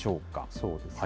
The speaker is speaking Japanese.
そうですね。